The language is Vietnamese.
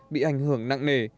bị ảnh hưởng nặng nề